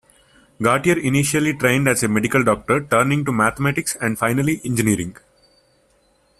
Gautier initially trained as a medical doctor, turning to mathematics and finally engineering.